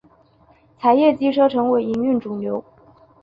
柴液机车成为营运主流。